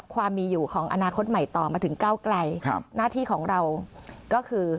ความมีอยู่ของอนาคตใหม่ต่อมาถึงก้าวไกลหน้าที่ของเราก็คือ